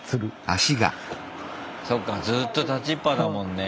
そっかずっと立ちっぱだもんね。